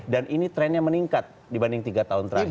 dan ini trennya meningkat dibanding tiga tahun terakhir